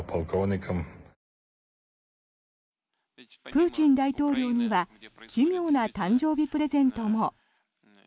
プーチン大統領には奇妙な誕生日プレゼントも。